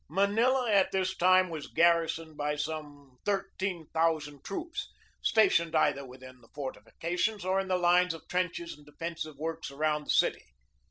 Manila at this time was garrisoned by some thirteen thousand troops, stationed either within the fortifications or in the lines of trenches and defensive works around the city.